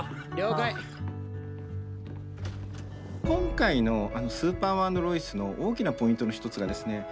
今回の「スーパーマン＆ロイス」の大きなポイントの一つがですね